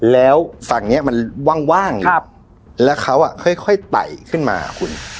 แล้วฝั่งเนี้ยมันว่างครับแล้วเขาอ่ะค่อยค่อยไต่ขึ้นมาคุณ